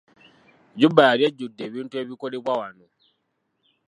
Juba yali ejjudde ebintu ebikolebwa wano.